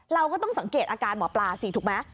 เราก็ต้องสังเกตอาการหมอปลาสิถูกไหม